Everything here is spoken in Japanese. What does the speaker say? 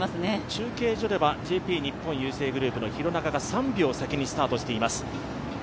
中継所ではＪＰ日本郵政グループの廣中が３秒先にスタートしています。